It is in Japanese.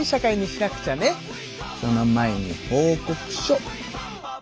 その前に報告書！